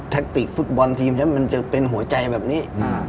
ติกฟุตบอลทีมนั้นมันจะเป็นหัวใจแบบนี้